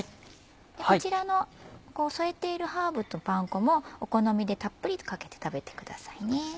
こちらの添えているハーブとパン粉もお好みでたっぷりかけて食べてくださいね。